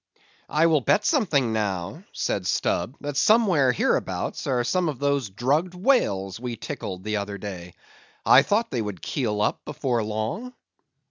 "I will bet something now," said Stubb, "that somewhere hereabouts are some of those drugged whales we tickled the other day. I thought they would keel up before long."